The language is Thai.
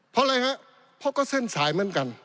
เพราะอะไรฮะเพราะก็เส้นสายเหมือนกัน